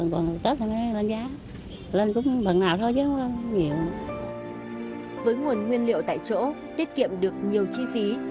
với nguồn nguyên liệu tại chỗ tiết kiệm được nhiều chi phí